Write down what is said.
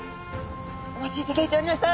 お待ちいただいておりました。